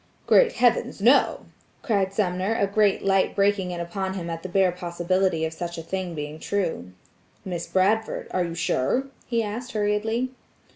"Great heavens! No!" cried Sumner a great light breaking in upon him at the bare possibility of such a thing being true. "Miss Bradford, are you sure?" he asked hurriedly.